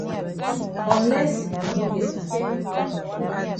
Unless dey no get am.